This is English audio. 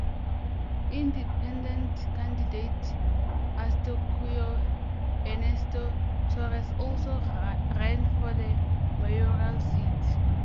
Independent candidate Eustaquio "Ernesto" Torres also ran for the mayoral seat.